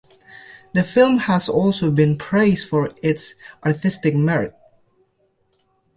The film has also been praised for its artistic merit.